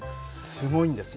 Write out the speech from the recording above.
すごいんです、今。